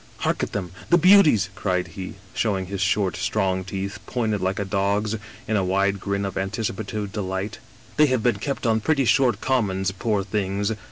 "* Hark at them — ^the beauties !' cried he, showing his short, strong teeth, pointed like a dog's in a wide grin of anticipative delight. * They have been kept on pretty short commons, poor things!